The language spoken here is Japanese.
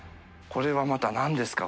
これはまた何ですか？